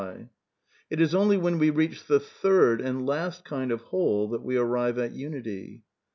It is only when we reach the third and last kind of whole tbal we arrive at, unity.